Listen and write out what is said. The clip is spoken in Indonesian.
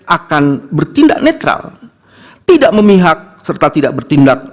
akan bertindak netral tidak memihak serta tidak bertindak